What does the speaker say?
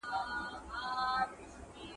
چي لمبې یې پورته کیږي له وزرو!